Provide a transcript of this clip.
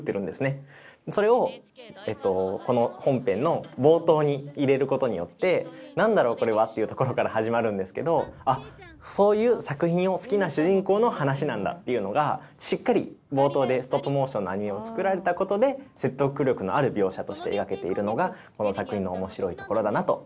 それをこの本編の冒頭に入れることによって何だろうこれは？っていうところから始まるんですけど「あそういう作品を好きな主人公の話なんだ」っていうのがしっかり冒頭でストップモーションのアニメを作られたことで説得力のある描写として描けているのがこの作品の面白いところだなと思いました。